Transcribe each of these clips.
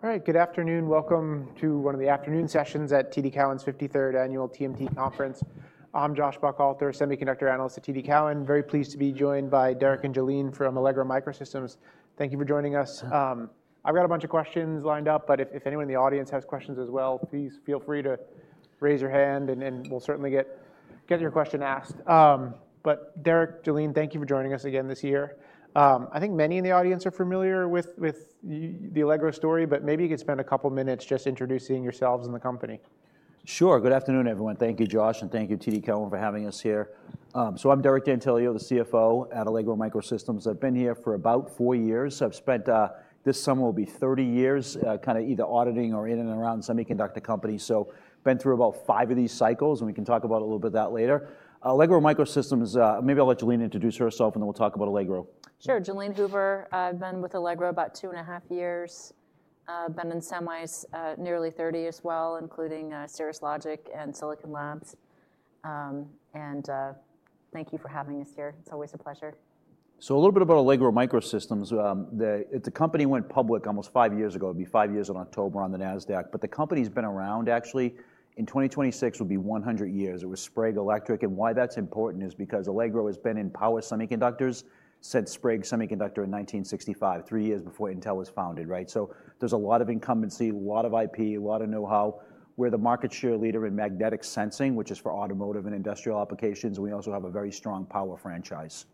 All right, good afternoon. Welcome to one of the afternoon sessions at TD Cowen's 53rd Annual TMT Conference. I'm Josh Buchalter, Semiconductor Analyst at TD Cowen. Very pleased to be joined by Derek and Jalene from Allegro MicroSystems. Thank you for joining us. I've got a bunch of questions lined up, but if anyone in the audience has questions as well, please feel free to raise your hand, and we'll certainly get your question asked. Derek, Jalene, thank you for joining us again this year. I think many in the audience are familiar with the Allegro story, but maybe you could spend a couple of minutes just introducing yourselves and the company. Sure. Good afternoon, everyone. Thank you, Josh, and thank you, TD Cowen, for having us here. I'm Derek D'Antilio, the CFO at Allegro MicroSystems. I've been here for about four years. This summer will be 30 years, kind of either auditing or in and around semiconductor companies. I've been through about five of these cycles, and we can talk about a little bit of that later. Allegro MicroSystems, maybe I'll let Jalene introduce herself, and then we'll talk about Allegro. Sure. Jalene Hoover, I've been with Allegro about two and a half years. I've been in semis nearly 30 as well, including Cirrus Logic and Silicon Labs. Thank you for having us here. It's always a pleasure. A little bit about Allegro MicroSystems. The company went public almost five years ago. It will be five years in October on the NASDAQ. The company has been around, actually, in 2026, it will be 100 years. It was Sprague Electric. Why that is important is because Allegro has been in power semiconductors since Sprague Semiconductor in 1965, three years before Intel was founded, right? There is a lot of incumbency, a lot of IP, a lot of know-how. We are the market share leader in magnetic sensing, which is for automotive and industrial applications. We also have a very strong power franchise.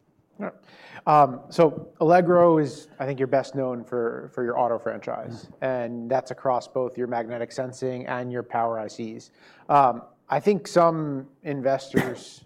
Allegro is, I think, you're best known for your auto franchise, and that's across both your magnetic sensing and your power ICs. I think some investors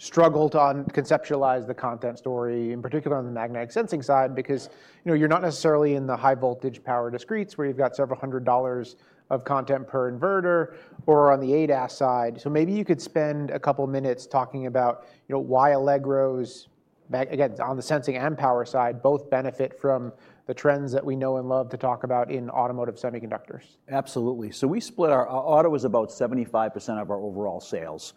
struggled to conceptualize the content story, in particular on the magnetic sensing side, because you're not necessarily in the high voltage power discretes, where you've got several hundred dollars of content per inverter, or on the ADAS side. Maybe you could spend a couple of minutes talking about why Allegro's, again, on the sensing and power side, both benefit from the trends that we know and love to talk about in automotive semiconductors. Absolutely. We split our auto as about 75% of our overall sales.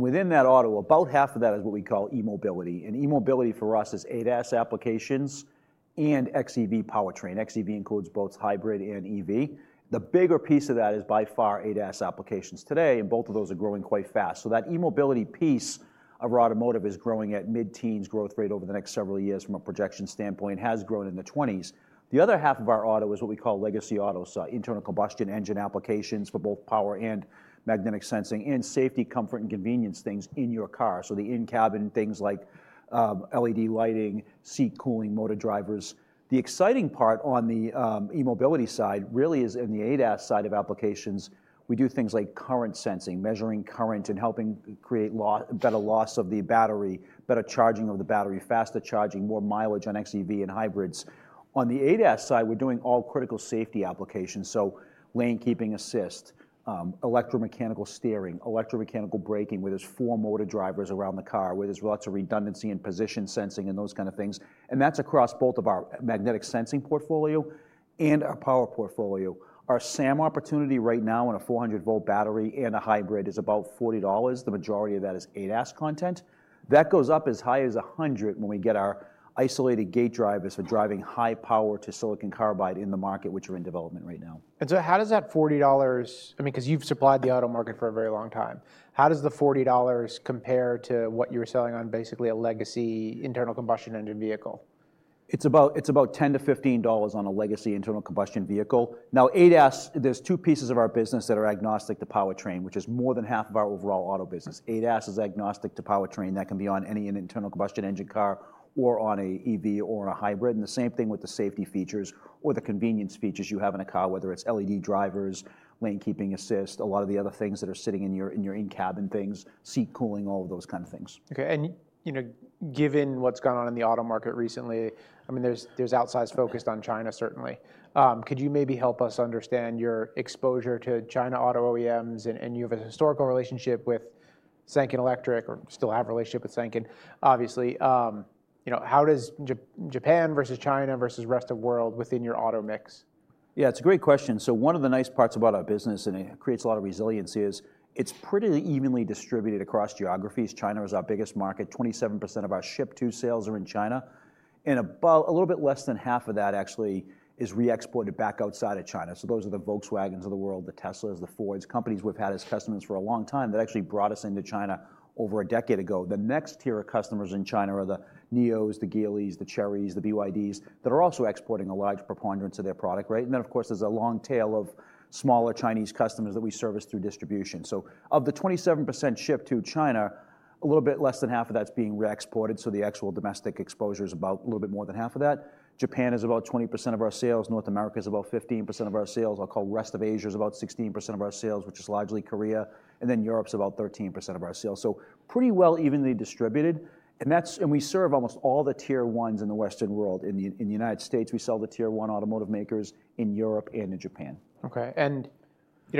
Within that auto, about half of that is what we call e-mobility. E-mobility for us is ADAS applications and XEV powertrain. XEV includes both hybrid and EV. The bigger piece of that is by far ADAS applications today, and both of those are growing quite fast. That e-mobility piece of automotive is growing at mid-teens growth rate over the next several years from a projection standpoint, has grown in the 20s. The other half of our auto is what we call legacy auto, so internal combustion engine applications for both power and magnetic sensing, and safety, comfort, and convenience things in your car. The in-cabin things like LED lighting, seat cooling, motor drivers. The exciting part on the e-mobility side really is in the ADAS side of applications. We do things like current sensing, measuring current and helping create better loss of the battery, better charging of the battery, faster charging, more mileage on XEV and hybrids. On the ADAS side, we're doing all critical safety applications, so lane keeping assist, electromechanical steering, electromechanical braking, where there's four motor drivers around the car, where there's lots of redundancy in position sensing and those kind of things. That is across both of our magnetic sensing portfolio and our power portfolio. Our SAM opportunity right now on a 400-volt battery and a hybrid is about $40. The majority of that is ADAS content. That goes up as high as $100 when we get our isolated gate drivers for driving high power to silicon carbide in the market, which are in development right now. How does that $40, I mean, because you've supplied the auto market for a very long time, how does the $40 compare to what you're selling on basically a legacy internal combustion engine vehicle? It's about $10-$15 on a legacy internal combustion vehicle. Now, ADAS, there are two pieces of our business that are agnostic to powertrain, which is more than half of our overall auto business. ADAS is agnostic to powertrain. That can be on any internal combustion engine car or on an EV or on a hybrid. The same thing with the safety features or the convenience features you have in a car, whether it's LED drivers, lane keeping assist, a lot of the other things that are sitting in your in-cabin things, seat cooling, all of those kind of things. Okay. And given what's gone on in the auto market recently, I mean, there's outsized focus on China, certainly. Could you maybe help us understand your exposure to China auto OEMs? And you have a historical relationship with Sanken Electric, or still have a relationship with Sanken, obviously. How does Japan versus China versus the rest of the world within your auto mix? Yeah, it's a great question. One of the nice parts about our business, and it creates a lot of resiliency, is it's pretty evenly distributed across geographies. China is our biggest market. 27% of our ship-to sales are in China. A little bit less than half of that actually is re-exported back outside of China. Those are the Volkswagens of the world, the Teslas, the Fords, companies we've had as customers for a long time that actually brought us into China over a decade ago. The next tier of customers in China are the Nios, the Geelys, the Cherys, the BYDs that are also exporting a large preponderance of their product, right? There is a long tail of smaller Chinese customers that we service through distribution. Of the 27% ship-to China, a little bit less than half of that's being re-exported. The actual domestic exposure is about a little bit more than half of that. Japan is about 20% of our sales. North America is about 15% of our sales. I'll call the rest of Asia is about 16% of our sales, which is largely Korea. Europe's about 13% of our sales. Pretty well evenly distributed. We serve almost all the tier ones in the Western world. In the United States, we sell to tier one automotive makers in Europe and in Japan. OK.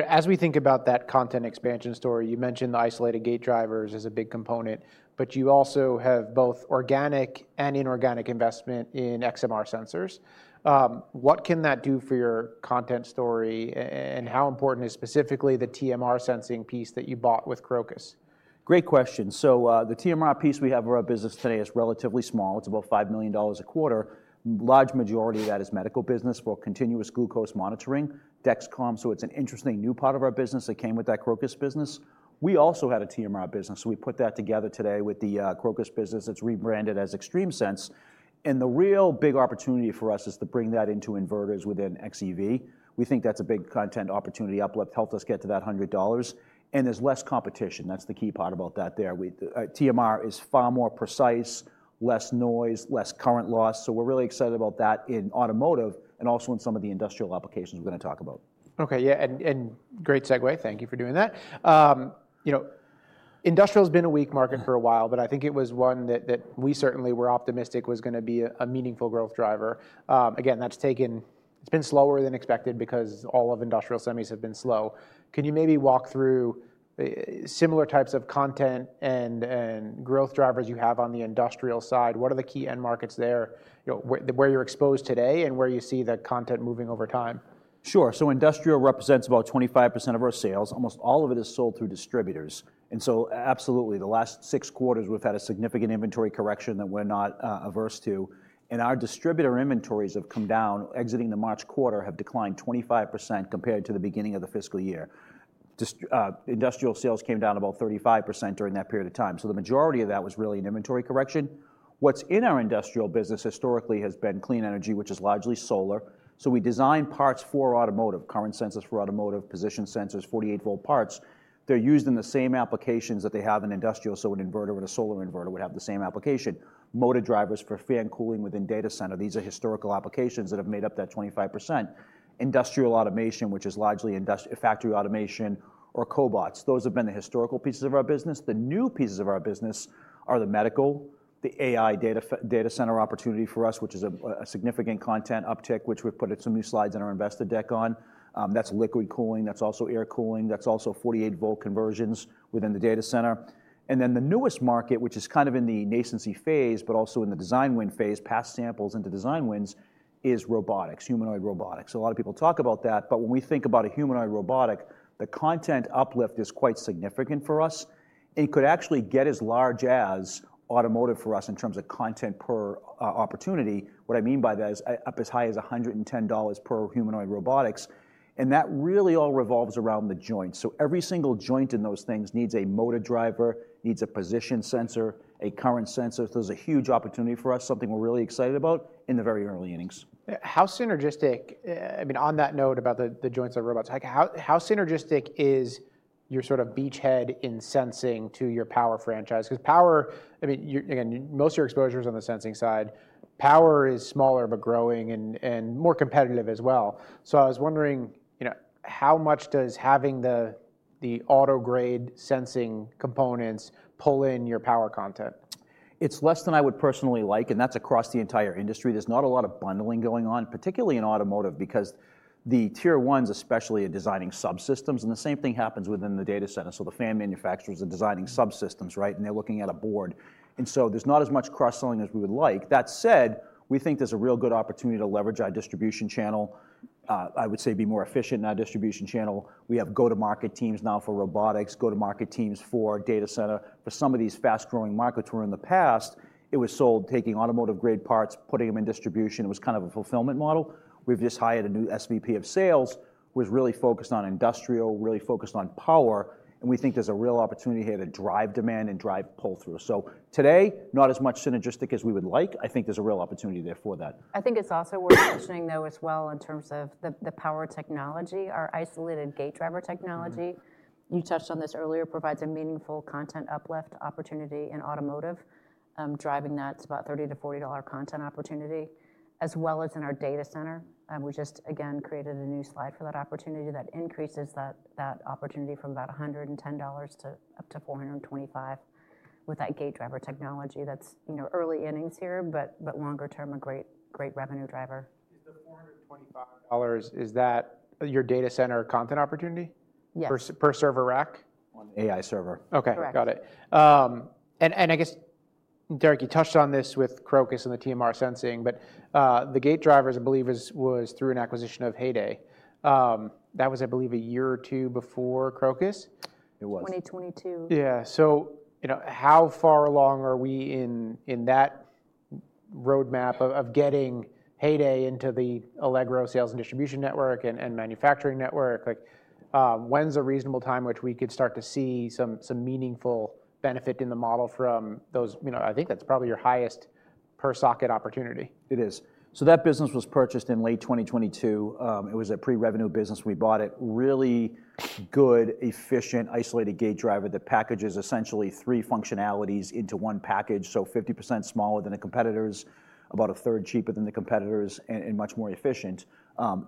As we think about that content expansion story, you mentioned the isolated gate drivers as a big component, but you also have both organic and inorganic investment in XMR sensors. What can that do for your content story, and how important is specifically the TMR sensing piece that you bought with Crocus? Great question. The TMR piece we have in our business today is relatively small. It's about $5 million a quarter. The large majority of that is medical business for continuous glucose monitoring, Dexcom. It's an interesting new part of our business that came with that Crocus business. We also had a TMR business. We put that together today with the Crocus business that's rebranded as XtremeSense. The real big opportunity for us is to bring that into inverters within XEV. We think that's a big content opportunity uplift to help us get to that $100. There's less competition. That's the key part about that there. TMR is far more precise, less noise, less current loss. We're really excited about that in automotive and also in some of the industrial applications we're going to talk about. Okay. Yeah, and great segue. Thank you for doing that. Industrial's been a weak market for a while, but I think it was one that we certainly were optimistic was going to be a meaningful growth driver. Again, that's taken, it's been slower than expected because all of industrial semis have been slow. Can you maybe walk through similar types of content and growth drivers you have on the industrial side? What are the key end markets there? Where you're exposed today and where you see the content moving over time? Sure. Industrial represents about 25% of our sales. Almost all of it is sold through distributors. Absolutely, the last six quarters, we've had a significant inventory correction that we're not averse to. Our distributor inventories have come down. Exiting the March quarter, they have declined 25% compared to the beginning of the fiscal year. Industrial sales came down about 35% during that period of time. The majority of that was really an inventory correction. What's in our industrial business historically has been clean energy, which is largely solar. We design parts for automotive, current sensors for automotive, position sensors, 48-volt parts. They're used in the same applications that they have in industrial. An inverter and a solar inverter would have the same application. Motor drivers for fan cooling within data center, these are historical applications that have made up that 25%. Industrial automation, which is largely factory automation, or cobots. Those have been the historical pieces of our business. The new pieces of our business are the medical, the AI data center opportunity for us, which is a significant content uptick, which we've put some new slides in our investor deck on. That is liquid cooling. That is also air cooling. That is also 48-volt conversions within the data center. The newest market, which is kind of in the nascency phase, but also in the design win phase, past samples into design wins, is robotics, humanoid robotics. A lot of people talk about that. When we think about a humanoid robotic, the content uplift is quite significant for us. It could actually get as large as automotive for us in terms of content per opportunity. What I mean by that is up as high as $110 per humanoid robotics. That really all revolves around the joints. Every single joint in those things needs a motor driver, needs a position sensor, a current sensor. There is a huge opportunity for us, something we are really excited about, in the very early innings. How synergistic, I mean, on that note about the joints and robots, how synergistic is your sort of beachhead in sensing to your power franchise? Because power, I mean, again, most of your exposure is on the sensing side. Power is smaller but growing and more competitive as well. I was wondering, how much does having the auto-grade sensing components pull in your power content? It's less than I would personally like, and that's across the entire industry. There's not a lot of bundling going on, particularly in automotive, because the tier ones especially are designing subsystems. The same thing happens within the data center. The fan manufacturers are designing subsystems, right? They're looking at a board. There's not as much cross-selling as we would like. That said, we think there's a real good opportunity to leverage our distribution channel. I would say be more efficient in our distribution channel. We have go-to-market teams now for robotics, go-to-market teams for data center. For some of these fast-growing markets where in the past, it was sold taking automotive-grade parts, putting them in distribution. It was kind of a fulfillment model. We've just hired a new SVP of Sales, who is really focused on industrial, really focused on power. We think there's a real opportunity here to drive demand and drive pull-through. Today, not as much synergistic as we would like. I think there's a real opportunity there for that. I think it's also worth mentioning, though, as well, in terms of the power technology. Our isolated gate driver technology, you touched on this earlier, provides a meaningful content uplift opportunity in automotive, driving that to about $30-$40 content opportunity, as well as in our data center. We just, again, created a new slide for that opportunity that increases that opportunity from about $110 to up to $425 with that gate driver technology. That's early innings here, but longer term, a great revenue driver. Is the $425, is that your data center content opportunity? Yes. Per server rack? On the AI server. Okay. Got it. I guess, Derek, you touched on this with Crocus and the TMR sensing, but the gate drivers, I believe, was through an acquisition of Heyday. That was, I believe, a year or two before Crocus? It was. 2022. Yeah. So how far along are we in that roadmap of getting Heyday into the Allegro sales and distribution network and manufacturing network? When's a reasonable time which we could start to see some meaningful benefit in the model from those? I think that's probably your highest per-socket opportunity. It is. That business was purchased in late 2022. It was a pre-revenue business. We bought it. Really good, efficient isolated gate driver that packages essentially three functionalities into one package, so 50% smaller than the competitors, about a third cheaper than the competitors, and much more efficient.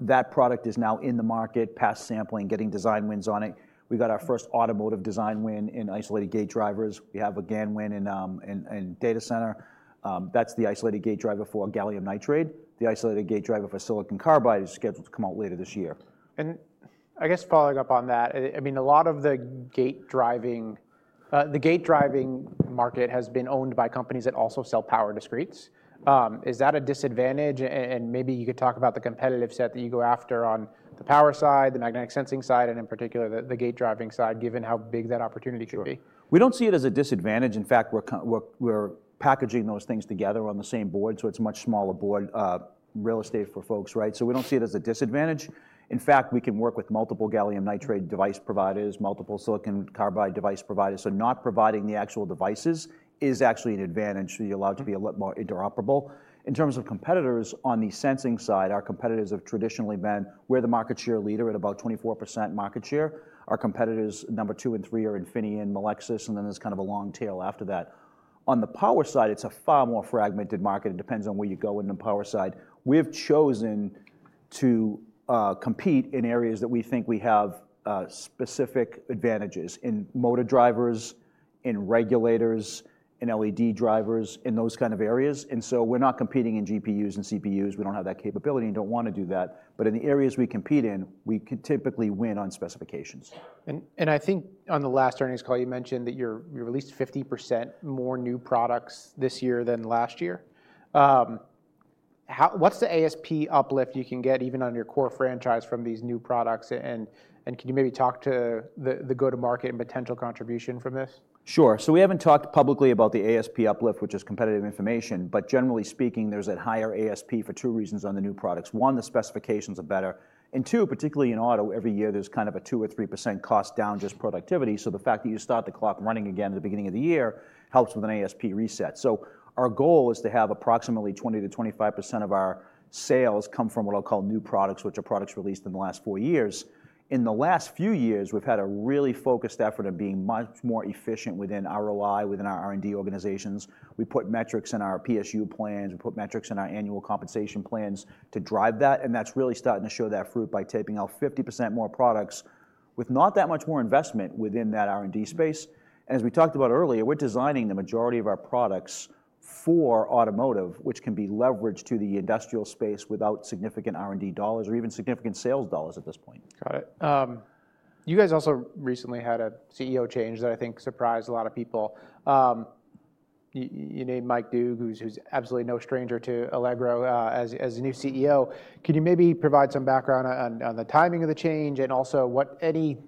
That product is now in the market, past sampling, getting design wins on it. We got our first automotive design win in isolated gate drivers. We have a GaN win in data center. That is the isolated gate driver for gallium nitride. The isolated gate driver for silicon carbide is scheduled to come out later this year. I guess following up on that, I mean, a lot of the gate driving, the gate driving market has been owned by companies that also sell power discretes. Is that a disadvantage? Maybe you could talk about the competitive set that you go after on the power side, the magnetic sensing side, and in particular, the gate driving side, given how big that opportunity could be. Sure. We do not see it as a disadvantage. In fact, we are packaging those things together on the same board. It is a much smaller board real estate for folks, right? We do not see it as a disadvantage. In fact, we can work with multiple GaN device providers, multiple silicon carbide device providers. Not providing the actual devices is actually an advantage. You are allowed to be a lot more interoperable. In terms of competitors on the sensing side, our competitors have traditionally been, we are the market share leader at about 24% market share. Our competitors number two and three are Infineon, Melexis, and then there is kind of a long tail after that. On the power side, it is a far more fragmented market. It depends on where you go in the power side. We have chosen to compete in areas that we think we have specific advantages in motor drivers, in regulators, in LED drivers, in those kind of areas. We are not competing in GPUs and CPUs. We do not have that capability and do not want to do that. In the areas we compete in, we can typically win on specifications. I think on the last earnings call, you mentioned that you released 50% more new products this year than last year. What's the ASP uplift you can get even on your core franchise from these new products? Can you maybe talk to the go-to-market and potential contribution from this? Sure. We have not talked publicly about the ASP uplift, which is competitive information. Generally speaking, there is a higher ASP for two reasons on the new products. One, the specifications are better. Two, particularly in auto, every year there is kind of a 2% or 3% cost down, just productivity. The fact that you start the clock running again at the beginning of the year helps with an ASP reset. Our goal is to have approximately 20%-25% of our sales come from what I will call new products, which are products released in the last four years. In the last few years, we have had a really focused effort of being much more efficient within ROI, within our R&D organizations. We put metrics in our PSU plans. We put metrics in our annual compensation plans to drive that. That is really starting to show that fruit by taping out 50% more products with not that much more investment within that R&D space. As we talked about earlier, we are designing the majority of our products for automotive, which can be leveraged to the industrial space without significant R&D dollars or even significant sales dollars at this point. Got it. You guys also recently had a CEO change that I think surprised a lot of people. You named Mike Doogue, who's absolutely no stranger to Allegro as a new CEO. Can you maybe provide some background on the timing of the change and also what any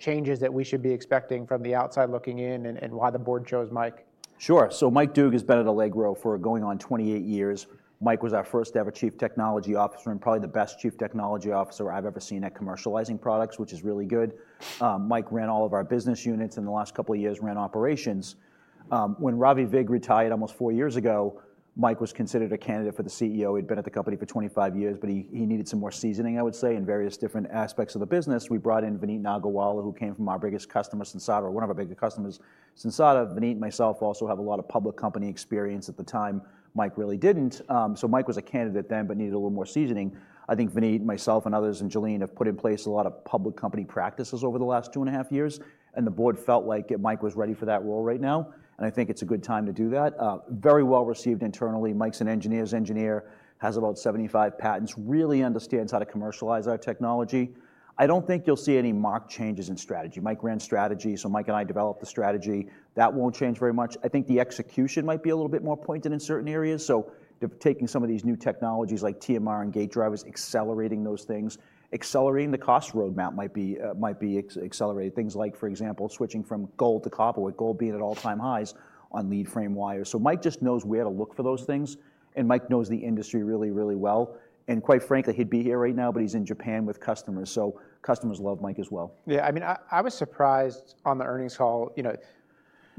changes that we should be expecting from the outside looking in and why the board chose Mike? Sure. Mike Doogue has been at Allegro for going on 28 years. Mike was our first ever Chief Technology Officer and probably the best Chief Technology Officer I've ever seen at commercializing products, which is really good. Mike ran all of our business units in the last couple of years, ran operations. When Ravi Vig retired almost four years ago, Mike was considered a candidate for the CEO. He'd been at the company for 25 years, but he needed some more seasoning, I would say, in various different aspects of the business. We brought in Vineet Nargolwala, who came from our biggest customer, Sensata, or one of our biggest customers, Sensata. Vineet and myself also have a lot of public company experience at the time. Mike really didn't. Mike was a candidate then, but needed a little more seasoning. I think Vineet, myself, and others and Jalene have put in place a lot of public company practices over the last two and a half years. The board felt like Mike was ready for that role right now. I think it's a good time to do that. Very well received internally. Mike's an engineer's engineer, has about 75 patents, really understands how to commercialize our technology. I don't think you'll see any marked changes in strategy. Mike ran strategy. Mike and I developed the strategy. That won't change very much. I think the execution might be a little bit more pointed in certain areas. Taking some of these new technologies like TMR and gate drivers, accelerating those things, accelerating the cost roadmap might be accelerated. Things like, for example, switching from gold to copper with gold being at all-time highs on lead frame wires. Mike just knows where to look for those things. And Mike knows the industry really, really well. Quite frankly, he'd be here right now, but he's in Japan with customers. Customers love Mike as well. Yeah. I mean, I was surprised on the earnings call.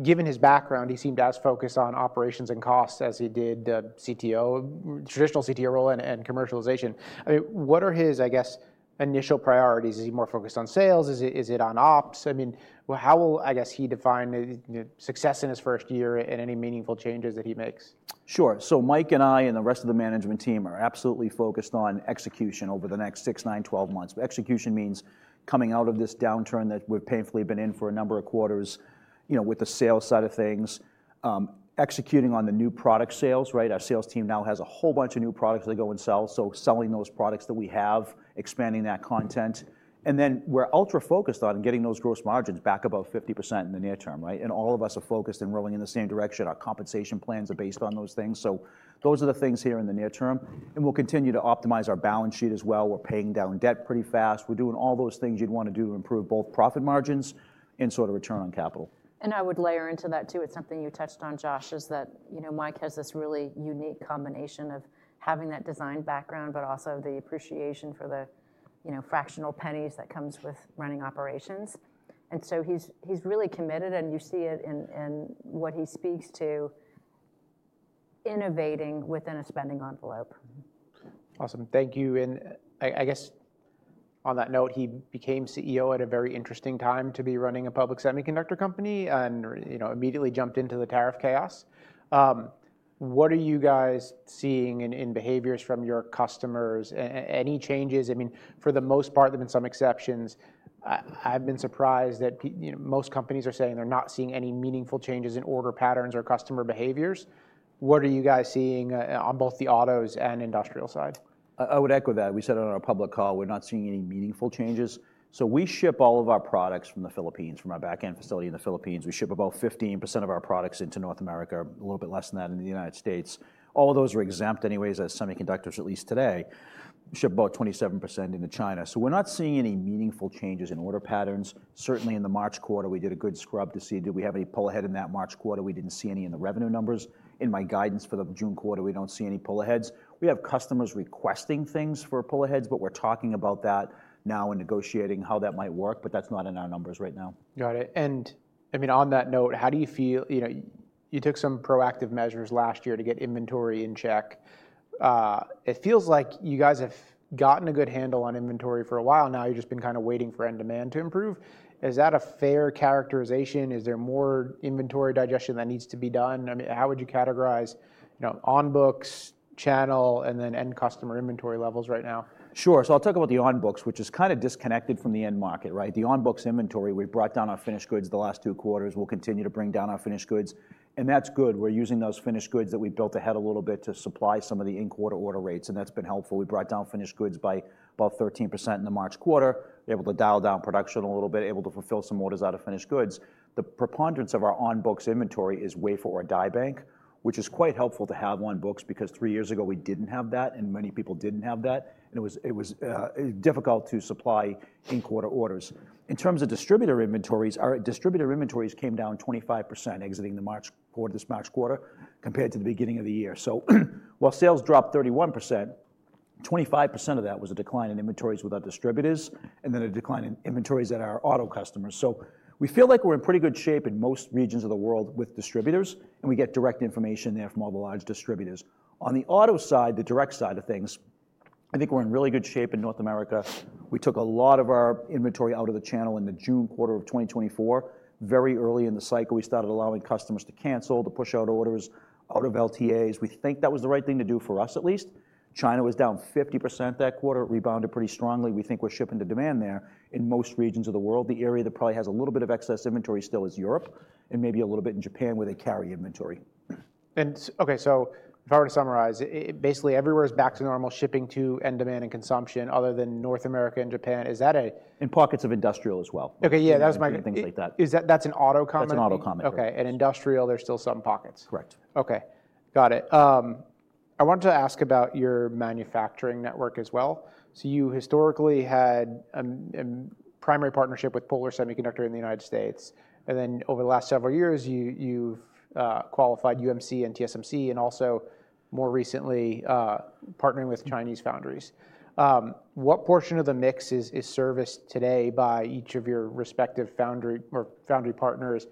Given his background, he seemed as focused on operations and costs as he did the traditional CTO role and commercialization. I mean, what are his, I guess, initial priorities? Is he more focused on sales? Is it on ops? I mean, how will, I guess, he define success in his first year and any meaningful changes that he makes? Sure. Mike and I and the rest of the management team are absolutely focused on execution over the next 6, 9, 12 months. Execution means coming out of this downturn that we have painfully been in for a number of quarters with the sales side of things, executing on the new product sales, right? Our sales team now has a whole bunch of new products they go and sell. Selling those products that we have, expanding that content. We are ultra-focused on getting those gross margins back above 50% in the near term, right? All of us are focused and rowing in the same direction. Our compensation plans are based on those things. Those are the things here in the near term. We will continue to optimize our balance sheet as well. We are paying down debt pretty fast. We're doing all those things you'd want to do to improve both profit margins and sort of return on capital. I would layer into that, too. It is something you touched on, Josh, that Mike has this really unique combination of having that design background, but also the appreciation for the fractional pennies that comes with running operations. He is really committed. You see it in what he speaks to innovating within a spending envelope. Awesome. Thank you. I guess on that note, he became CEO at a very interesting time to be running a public semiconductor company and immediately jumped into the tariff chaos. What are you guys seeing in behaviors from your customers? Any changes? I mean, for the most part, there have been some exceptions. I've been surprised that most companies are saying they're not seeing any meaningful changes in order patterns or customer behaviors. What are you guys seeing on both the autos and industrial side? I would echo that. We said on our public call, we're not seeing any meaningful changes. We ship all of our products from the Philippines, from our backend facility in the Philippines. We ship about 15% of our products into North America, a little bit less than that in the United States. All those are exempt anyways as semiconductors, at least today. We ship about 27% into China. We're not seeing any meaningful changes in order patterns. Certainly in the March quarter, we did a good scrub to see, did we have any pull ahead in that March quarter? We didn't see any in the revenue numbers. In my guidance for the June quarter, we don't see any pull aheads. We have customers requesting things for pull aheads, but we're talking about that now and negotiating how that might work. That's not in our numbers right now. Got it. I mean, on that note, how do you feel? You took some proactive measures last year to get inventory in check. It feels like you guys have gotten a good handle on inventory for a while. Now you've just been kind of waiting for end demand to improve. Is that a fair characterization? Is there more inventory digestion that needs to be done? I mean, how would you categorize on-books, channel, and then end customer inventory levels right now? Sure. I'll talk about the on-books, which is kind of disconnected from the end market, right? The on-books inventory, we've brought down our finished goods the last two quarters. We'll continue to bring down our finished goods. That's good. We're using those finished goods that we built ahead a little bit to supply some of the in-quarter order rates. That's been helpful. We brought down finished goods by about 13% in the March quarter. We're able to dial down production a little bit, able to fulfill some orders out of finished goods. The preponderance of our on-books inventory is wafer or die bank, which is quite helpful to have on-books because three years ago we didn't have that, and many people didn't have that. It was difficult to supply in-quarter orders. In terms of distributor inventories, our distributor inventories came down 25% exiting the March quarter, this March quarter, compared to the beginning of the year. While sales dropped 31%, 25% of that was a decline in inventories with our distributors and then a decline in inventories at our auto customers. We feel like we're in pretty good shape in most regions of the world with distributors. We get direct information there from all the large distributors. On the auto side, the direct side of things, I think we're in really good shape in North America. We took a lot of our inventory out of the channel in the June quarter of 2024. Very early in the cycle, we started allowing customers to cancel, to push out orders out of LTAs. We think that was the right thing to do for us, at least. China was down 50% that quarter, rebounded pretty strongly. We think we're shipping to demand there in most regions of the world. The area that probably has a little bit of excess inventory still is Europe and maybe a little bit in Japan where they carry inventory. Okay, so if I were to summarize, basically everywhere is back to normal, shipping to end demand and consumption other than North America and Japan. Is that a? In pockets of industrial as well. Okay, yeah, that was my question. Things like that. Is that an auto comment? That's an auto comment. OK, and industrial, there's still some pockets. Correct. OK, got it. I wanted to ask about your manufacturing network as well. You historically had a primary partnership with Polar Semiconductor in the United States. Then over the last several years, you've qualified UMC and TSMC and also more recently partnering with Chinese foundries. What portion of the mix is serviced today by each of your respective foundry partners?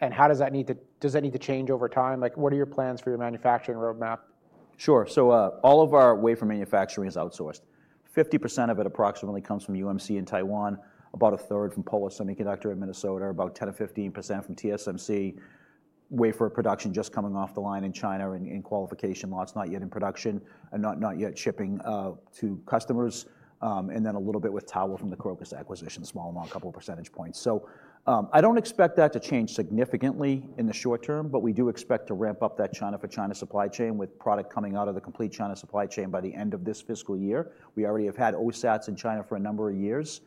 Does that need to change over time? What are your plans for your manufacturing roadmap? Sure. All of our wafer manufacturing is outsourced. 50% of it approximately comes from UMC in Taiwan, about a third from Polar Semiconductor in Minnesota, about 10%-15% from TSMC. Wafer production just coming off the line in China in qualification lots, not yet in production and not yet shipping to customers. A little bit with Tower from the Crocus acquisition, small amount, a couple of percentage points. I do not expect that to change significantly in the short term, but we do expect to ramp up that China for China supply chain with product coming out of the complete China supply chain by the end of this fiscal year. We already have had OSATs in China for a number of years.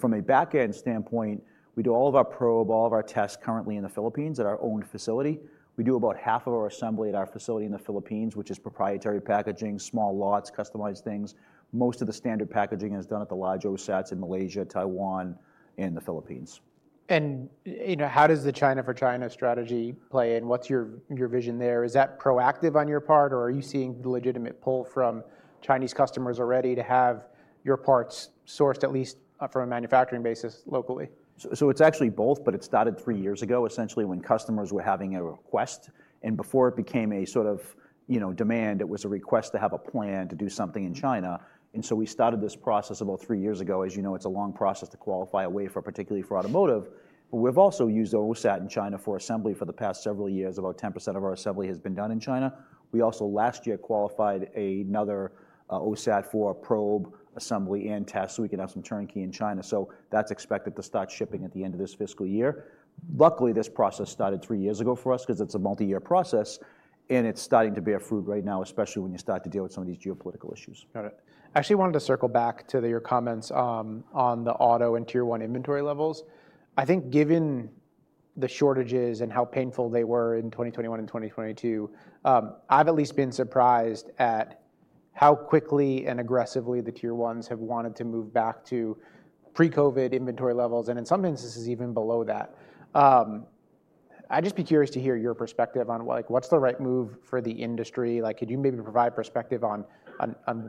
From a backend standpoint, we do all of our probe, all of our tests currently in the Philippines at our own facility. We do about half of our assembly at our facility in the Philippines, which is proprietary packaging, small lots, customized things. Most of the standard packaging is done at the large OSATs in Malaysia, Taiwan, and the Philippines. How does the China for China strategy play in? What's your vision there? Is that proactive on your part, or are you seeing the legitimate pull from Chinese customers already to have your parts sourced at least from a manufacturing basis locally? It is actually both, but it started three years ago, essentially, when customers were having a request. Before it became a sort of demand, it was a request to have a plan to do something in China. We started this process about three years ago. As you know, it is a long process to qualify a wafer, particularly for automotive. We have also used OSAT in China for assembly for the past several years. About 10% of our assembly has been done in China. We also last year qualified another OSAT for probe assembly and test so we can have some turnkey in China. That is expected to start shipping at the end of this fiscal year. Luckily, this process started three years ago for us because it is a multi-year process. It is starting to bear fruit right now, especially when you start to deal with some of these geopolitical issues. Got it. I actually wanted to circle back to your comments on the auto and tier one inventory levels. I think given the shortages and how painful they were in 2021 and 2022, I've at least been surprised at how quickly and aggressively the tier ones have wanted to move back to pre-COVID inventory levels and in some instances even below that. I'd just be curious to hear your perspective on what's the right move for the industry. Could you maybe provide perspective on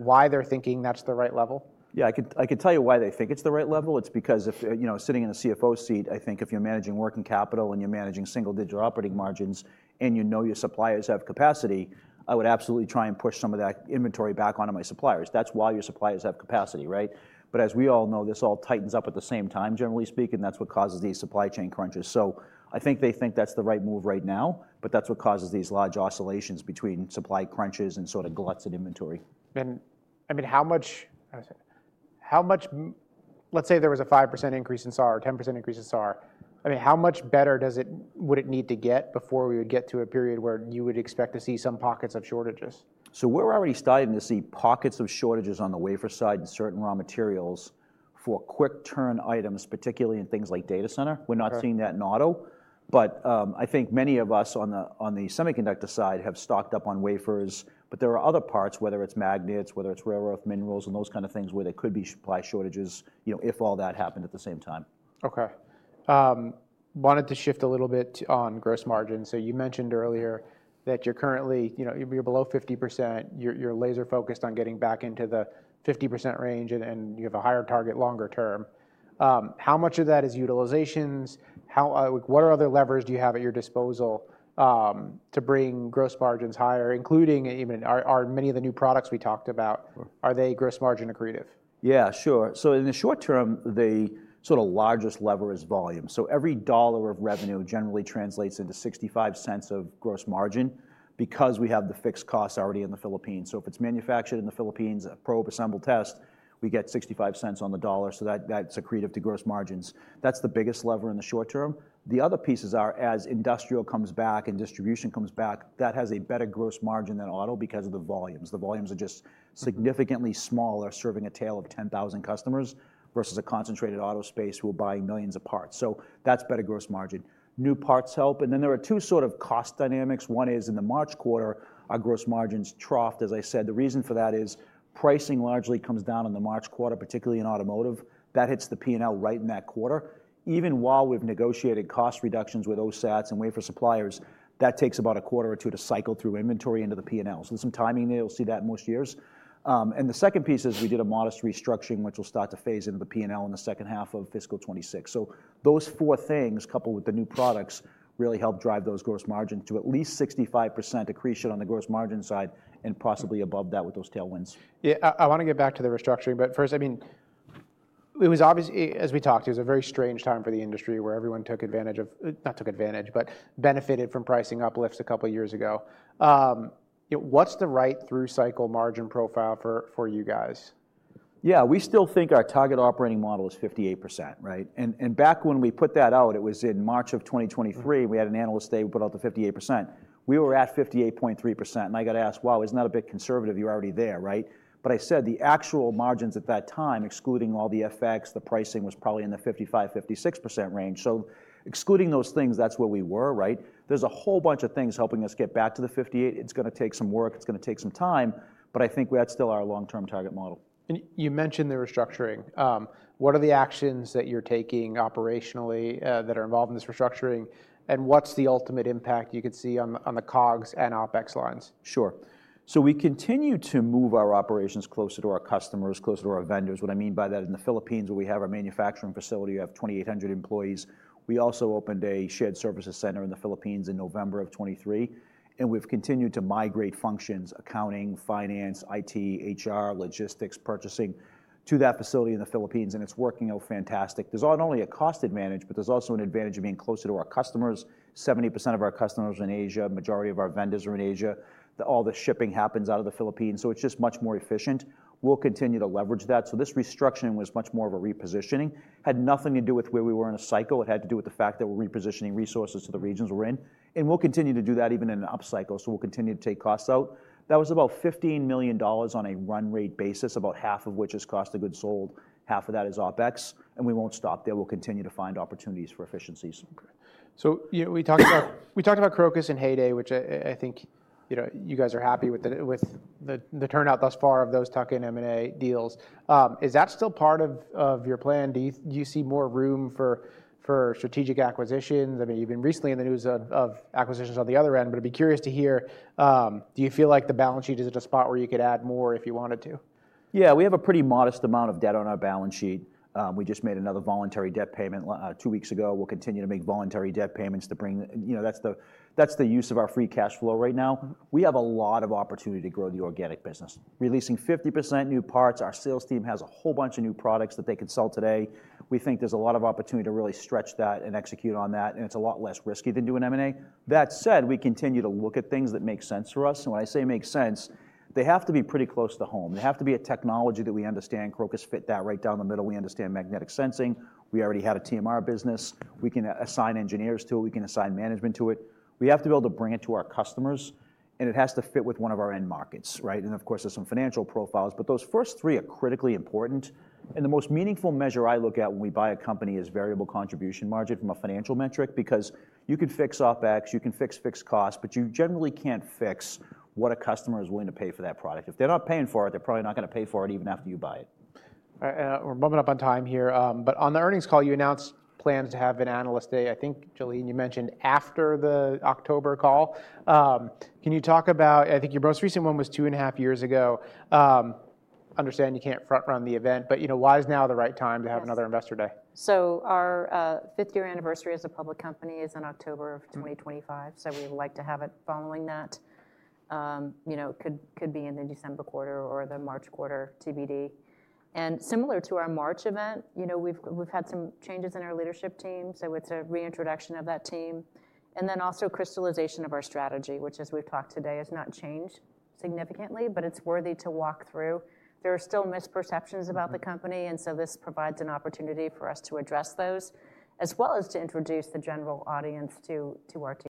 why they're thinking that's the right level? Yeah, I could tell you why they think it's the right level. It's because sitting in a CFO seat, I think if you're managing working capital and you're managing single-digit operating margins and you know your suppliers have capacity, I would absolutely try and push some of that inventory back onto my suppliers. That's why your suppliers have capacity, right? As we all know, this all tightens up at the same time, generally speaking. That's what causes these supply chain crunches. I think they think that's the right move right now, but that's what causes these large oscillations between supply crunches and sort of gluts in inventory. I mean, how much, let's say there was a 5% increase in SAR or 10% increase in SAR. I mean, how much better would it need to get before we would get to a period where you would expect to see some pockets of shortages? We're already starting to see pockets of shortages on the wafer side and certain raw materials for quick turn items, particularly in things like data center. We're not seeing that in auto. I think many of us on the semiconductor side have stocked up on wafers. There are other parts, whether it's magnets, whether it's rare earth minerals, and those kind of things where there could be supply shortages if all that happened at the same time. OK. Wanted to shift a little bit on gross margins. You mentioned earlier that you're currently below 50%. You're laser-focused on getting back into the 50% range, and you have a higher target longer term. How much of that is utilizations? What other levers do you have at your disposal to bring gross margins higher, including even many of the new products we talked about? Are they gross margin accretive? Yeah, sure. In the short term, the sort of largest lever is volume. Every dollar of revenue generally translates into 65 cents of gross margin because we have the fixed costs already in the Philippines. If it is manufactured in the Philippines, a probe, assemble, test, we get 65 cents on the dollar. That is accretive to gross margins. That is the biggest lever in the short term. The other pieces are as industrial comes back and distribution comes back, that has a better gross margin than auto because of the volumes. The volumes are just significantly smaller, serving a tail of 10,000 customers versus a concentrated auto space who are buying millions of parts. That is better gross margin. New parts help. There are two sort of cost dynamics. One is in the March quarter, our gross margins troughed. As I said, the reason for that is pricing largely comes down in the March quarter, particularly in automotive. That hits the P&L right in that quarter. Even while we've negotiated cost reductions with OSATs and wafer suppliers, that takes about a quarter or two to cycle through inventory into the P&L. There is some timing there. You'll see that most years. The second piece is we did a modest restructuring, which will start to phase into the P&L in the second half of fiscal 2026. Those four things, coupled with the new products, really help drive those gross margins to at least 65% accretion on the gross margin side and possibly above that with those tailwinds. Yeah, I want to get back to the restructuring. First, I mean, it was obviously, as we talked, it was a very strange time for the industry where everyone took advantage of, not took advantage, but benefited from pricing uplifts a couple of years ago. What's the right through cycle margin profile for you guys? Yeah, we still think our target operating model is 58%, right? Back when we put that out, it was in March of 2023. We had an analyst day. We put out the 58%. We were at 58.3%. I got asked, wow, isn't that a bit conservative? You're already there, right? I said the actual margins at that time, excluding all the FX, the pricing was probably in the 55%-56% range. Excluding those things, that's where we were, right? There's a whole bunch of things helping us get back to the 58%. It's going to take some work. It's going to take some time. I think that's still our long-term target model. You mentioned the restructuring. What are the actions that you're taking operationally that are involved in this restructuring? What's the ultimate impact you could see on the COGS and OpEx lines? Sure. We continue to move our operations closer to our customers, closer to our vendors. What I mean by that, in the Philippines, where we have our manufacturing facility, we have 2,800 employees. We also opened a shared services center in the Philippines in November of 2023. We have continued to migrate functions: accounting, finance, IT, HR, logistics, purchasing to that facility in the Philippines. It is working out fantastic. There is not only a cost advantage, but there is also an advantage of being closer to our customers. 70% of our customers are in Asia. The majority of our vendors are in Asia. All the shipping happens out of the Philippines. It is just much more efficient. We will continue to leverage that. This restructuring was much more of a repositioning. It had nothing to do with where we were in a cycle. It had to do with the fact that we're repositioning resources to the regions we're in. We'll continue to do that even in an upcycle. We'll continue to take costs out. That was about $15 million on a run rate basis, about half of which is cost of goods sold. Half of that is OpEx. We won't stop there. We'll continue to find opportunities for efficiencies. We talked about Crocus and Heyday, which I think you guys are happy with the turnout thus far of those tuck-in and M&A deals. Is that still part of your plan? Do you see more room for strategic acquisitions? I mean, you've been recently in the news of acquisitions on the other end. I'd be curious to hear, do you feel like the balance sheet is at a spot where you could add more if you wanted to? Yeah, we have a pretty modest amount of debt on our balance sheet. We just made another voluntary debt payment two weeks ago. We'll continue to make voluntary debt payments to bring that's the use of our free cash flow right now. We have a lot of opportunity to grow the organic business. Releasing 50% new parts. Our sales team has a whole bunch of new products that they can sell today. We think there's a lot of opportunity to really stretch that and execute on that. It's a lot less risky than doing M&A. That said, we continue to look at things that make sense for us. When I say make sense, they have to be pretty close to home. They have to be a technology that we understand. Crocus fit that right down the middle. We understand magnetic sensing. We already had a TMR business. We can assign engineers to it. We can assign management to it. We have to be able to bring it to our customers. It has to fit with one of our end markets, right? Of course, there are some financial profiles. Those first three are critically important. The most meaningful measure I look at when we buy a company is variable contribution margin from a financial metric because you can fix OpEx. You can fix fixed costs. You generally can't fix what a customer is willing to pay for that product. If they're not paying for it, they're probably not going to pay for it even after you buy it. We're bumping up on time here. On the earnings call, you announced plans to have an analyst day. I think, Jalene, you mentioned after the October call. Can you talk about I think your most recent one was two and a half years ago. Understand you can't front-run the event. Why is now the right time to have another investor day? Our fifth-year anniversary as a public company is in October of 2025. We would like to have it following that. It could be in the December quarter or the March quarter, TBD. Similar to our March event, we have had some changes in our leadership team, so it is a reintroduction of that team. Also, crystallization of our strategy, which, as we have talked today, has not changed significantly, but it is worthy to walk through. There are still misperceptions about the company, so this provides an opportunity for us to address those, as well as to introduce the general audience to our team.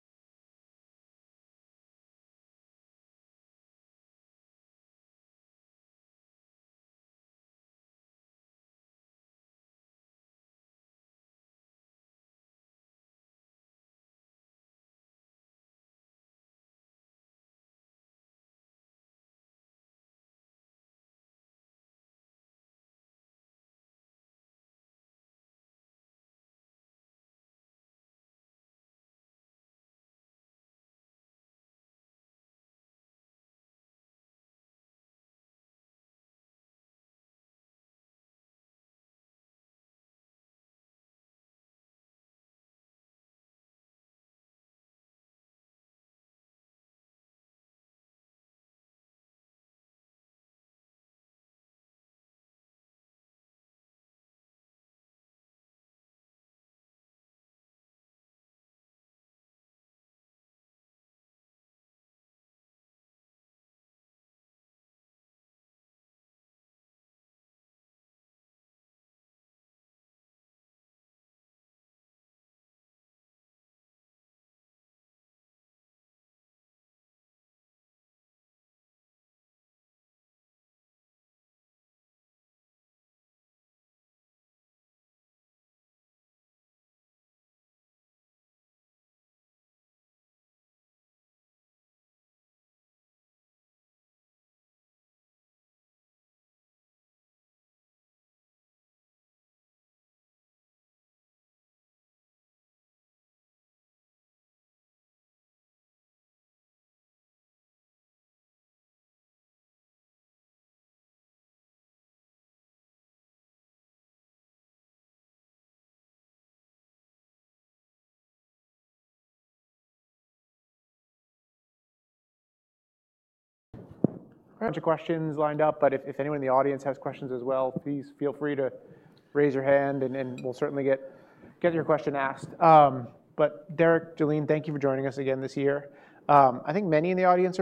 A bunch of questions lined up. If anyone in the audience has questions as well, please feel free to raise your hand. We will certainly get your question asked. Derek, Jalene, thank you for joining us again this year. I think many in the audience.